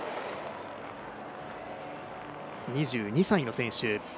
２２歳の選手。